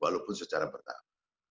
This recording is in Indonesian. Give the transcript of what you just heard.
walaupun secara bertahap